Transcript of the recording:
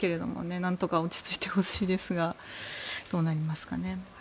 なんとか落ち着いてほしいですがどうなりますかね。